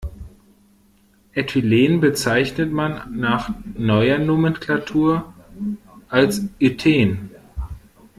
Äthylen bezeichnet man nach neuer Nomenklatur als Ethen.